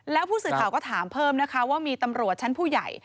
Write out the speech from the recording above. แล้วผู้สื่อข่าวก็ถามเพิ่มนะคะว่ามีตำรวจชั้นผู้ใหญ่